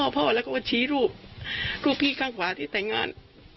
พ่อแล้วก็ชี้รูปรูปพี่ข้างขวาที่แต่งงาน